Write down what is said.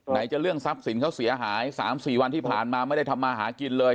จะเรื่องทรัพย์สินเขาเสียหาย๓๔วันที่ผ่านมาไม่ได้ทำมาหากินเลย